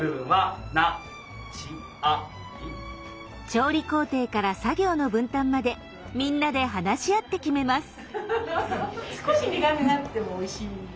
調理工程から作業の分担までみんなで話し合って決めます。